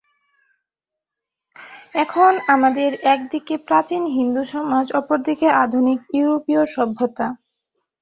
এখন আমাদের একদিকে প্রাচীন হিন্দু-সমাজ, অপর দিকে আধুনিক ইউরোপীয় সভ্যতা।